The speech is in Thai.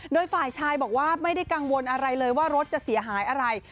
โดยฝ่ายชายบอกว่าไม่ได้กังวลอะไรเลยว่ารถจะเสียหายอะไร